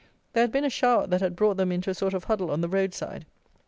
There had been a shower that had brought them into a sort of huddle on the road side.